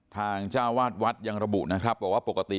ทางเจ้าวาดวัดยังระบุนะครับบอกว่าปกติ